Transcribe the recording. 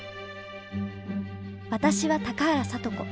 私は高原聡子。